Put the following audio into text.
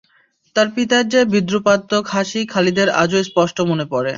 তাঁর পিতার সে বিদ্রুপাত্মক হাসি খালিদের আজও স্পষ্ট মনে পড়ে।